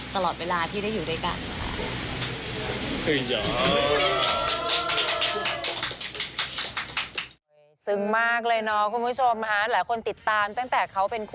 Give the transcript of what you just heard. ตลอดเวลาที่ได้อยู่ด้วยกัน